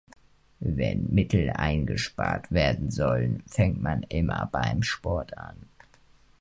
Wenn Mittel eingespart werden sollen, fängt man immer beim Sport an.